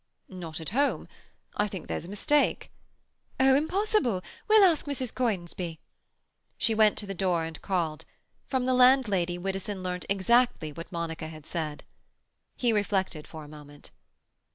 "Not at home—? I think there's a mistake." "Oh, impossible! We'll ask Mrs. Conisbee." She went to the door and called. From the landlady Widdowson learnt exactly what Monica had said. He reflected for a moment.